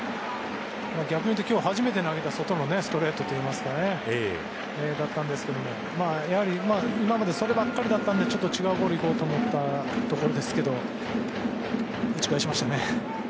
逆に外に初めて投げた今日のストレートだったんですけど今まで、そればかりだったんで違うボールいこうと思ったところだったんですけど打ち返しましたね。